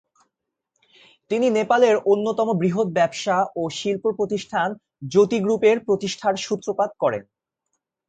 তিনি নেপালের অন্যতম বৃহৎ ব্যবসা ও শিল্প প্রতিষ্ঠান জ্যোতি গ্রুপের প্রতিষ্ঠার সূত্রপাত করেন।